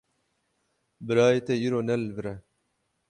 Birayê te îro ne li vir e.